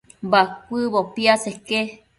Bacuëbo piaseque